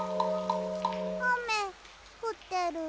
あめふってる。